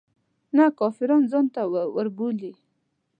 نه کافران ځانته وربولي.